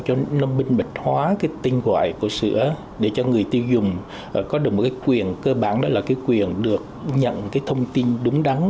cho nó minh bạch hóa cái tên gọi của sữa để cho người tiêu dùng có được một cái quyền cơ bản đó là cái quyền được nhận cái thông tin đúng đắn